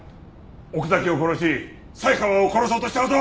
奥崎を殺し才川を殺そうとした事！